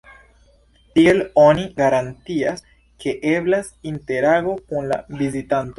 Tiel oni garantias, ke eblas interago kun la vizitanto.